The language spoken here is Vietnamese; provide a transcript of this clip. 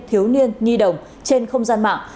thiếu niên nghi đồng trên không gian mạng